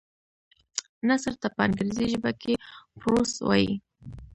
نثر ته په انګريزي ژبه کي Prose وايي.